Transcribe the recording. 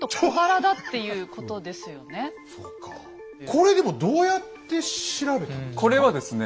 これでもどうやって調べたんですか？